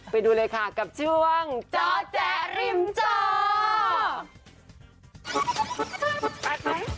ไปดูเลยค่ะกับช่วงเจาะแจริมเจาะ